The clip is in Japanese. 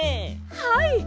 はい。